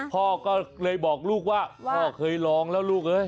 พ่อก็เลยบอกลูกว่าพ่อเคยลองแล้วลูกเอ้ย